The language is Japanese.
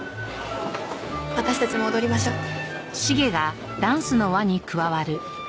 私たちも踊りましょう。